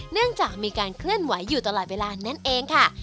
เนื่องจากมีการเคลื่อนไหวอยู่ตลอดเวลานั่นเองค่ะ